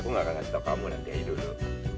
aku nggak akan ngasih tau kamu nanti aja dulu